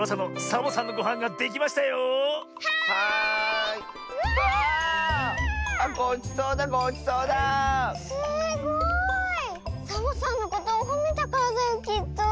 サボさんのことをほめたからだよきっと。